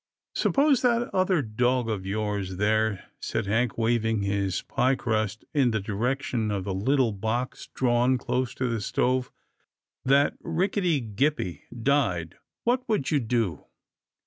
" Suppose that other dog of yours, there," said Hank, waving his pie crust in the direction of the little box drawn close to the stove, " that rickety Gippie died, what would you do?